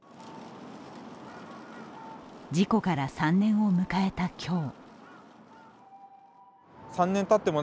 事故から３年を迎えた今日。